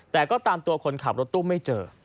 แต่ก็ตามตัวคนขับรถตู้ไม่เจอ